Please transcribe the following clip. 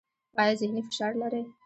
ایا ذهني فشار لرئ؟